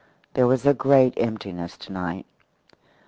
There was a great emptiness tonight.